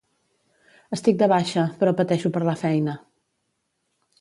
Estic de baixa però pateixo per la feina